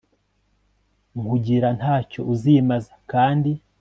nkugira ntacyo uzimaza kandi